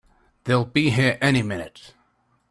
They'll be here any minute!